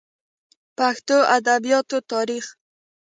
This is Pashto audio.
پښتو ادبياتو تاريخ